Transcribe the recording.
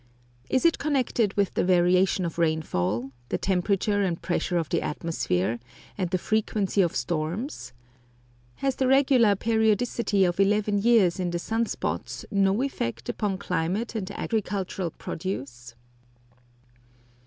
Is it connected with the variation of rainfall, the temperature and pressure of the atmosphere, and the frequency of storms? Has the regular periodicity of eleven years in the sun spots no effect upon climate and agricultural produce?